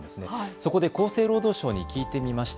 そこで厚生労働省に聞いてみました。